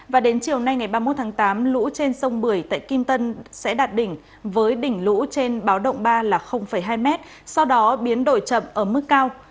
và đến chiều nay ngày ba mươi một tháng tám lũ trên sông bưởi tại kim tân sẽ đạt đỉnh với đỉnh lũ trên báo động ba là hai m sau đó biến đổi chậm ở mức cao